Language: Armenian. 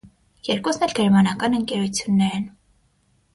Երկուսն էլ գերմանական ընկերություններ են։